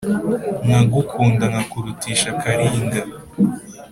Nkagukunda nkakurutisha Kalinga